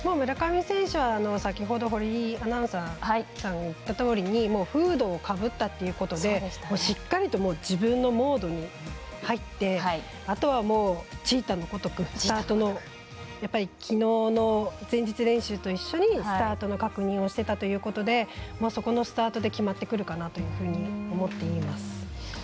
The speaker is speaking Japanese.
村上選手は、先ほど堀アナウンサーが言ったとおりフードをかぶったということでしっかりと自分のモードに入ってあとは、チーターのごとくきのうの前日練習と一緒にスタートの確認をしてたということでそこのスタートで決まってくるかなと思っています。